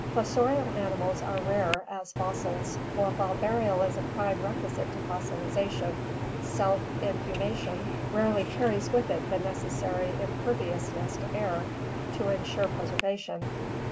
— Fossorial animals are rare as fossils, for while burial is a prime requisite to fossilization, self inhumation rarely carries with it the necessary imperviousness to air to insure preservation.